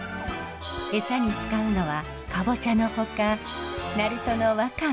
エサに使うのはカボチャのほか鳴門のワカメ